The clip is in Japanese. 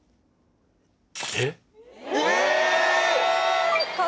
えっ？